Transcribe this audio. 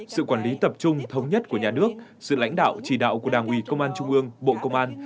sự quản lý tập trung thống nhất của nhà nước sự lãnh đạo chỉ đạo của đảng ủy công an trung ương bộ công an